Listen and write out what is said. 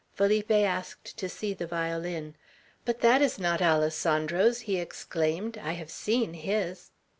Felipe asked to see the violin. "But that is not Alessandro's," he exclaimed. "I have seen his."